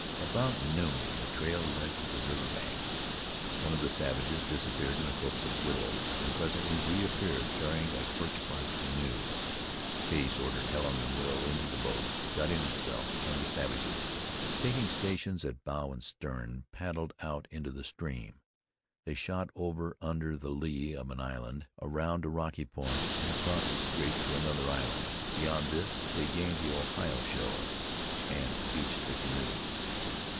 About noon the trail led to the river bank. One of the savages disappeared in a copse of willows, and presently reappeared carrying a birch bark canoe. Case ordered Helen and Will into the boat, got in himself, and the savages, taking stations at bow and stern, paddled out into the stream. They shot over under the lee of an island, around a rocky point, and across a strait to another island. Beyond this they gained the Ohio shore, and beached the canoe.